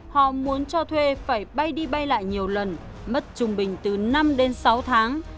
họ muốn cho thuê phải bay đi bay lại nhiều lần mất trung bình từ năm đến sáu tháng